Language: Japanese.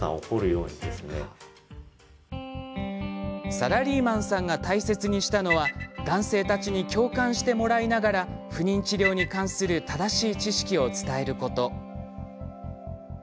サラリ医マンさんが大切にしたのは男性たちに共感してもらいながら不妊治療に関する正しい知識を伝えること。